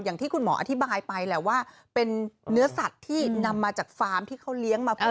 อย่างที่คุณหมออธิบายไปแหละว่าเป็นเนื้อสัตว์ที่นำมาจากฟาร์มที่เขาเลี้ยงมาก่อน